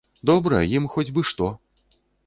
Добра, ім хоць бы што.